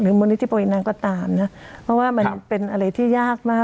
หรือมนุษย์ที่ปกตินังก็ตามนะเพราะว่ามันเป็นอะไรที่ยากมาก